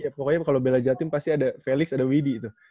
pokoknya kalau bela jatim pasti ada felix ada widdy itu